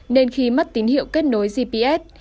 nên khi mất tín hiệu kết nối gps